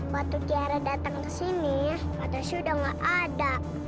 waktu tiara dateng kesini kak tasya udah gak ada